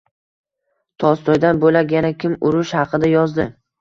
Tolstoydan bo’lak yana kim urush haqida yozdi.